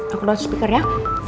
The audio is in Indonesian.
aku loat speaker ya